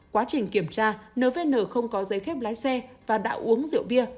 quá trình kiểm tra nvn không có giấy phép lái xe và đã uống rượu bia